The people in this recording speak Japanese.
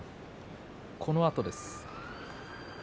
このあとです。